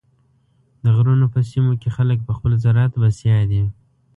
د غرونو په سیمو کې خلک په خپل زراعت بسیا دي.